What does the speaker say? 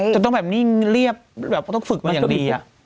ก็ต้องนิ่งเรียบต้องฝึกมาอย่างดี